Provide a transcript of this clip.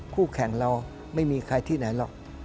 คู่แข่งเราไม่มีใครที่ไหนหรอก